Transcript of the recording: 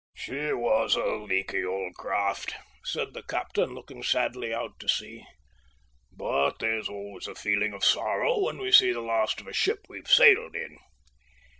"She was a leaky old craft," said the captain, looking sadly out to sea, "but there's always a feeling of sorrow when we see the last of a ship we have sailed in.